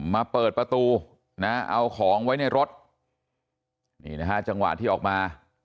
มาเปิดประตูนะเอาของไว้ในรถนี่นะฮะจังหวะที่ออกมา